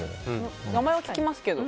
名前は聞きますけど。